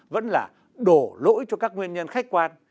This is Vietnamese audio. vẫn là đổ lỗi cho các nguyên nhân khách quan